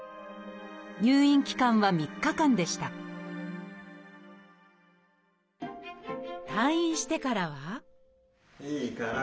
入院期間は３日間でした退院してからはいいから！